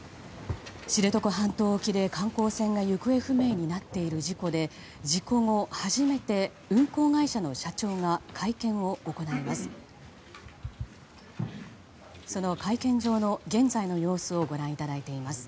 知床半島沖で観光船が行方不明になっている事故で事故後、初めて運航会社の社長が会見を行います。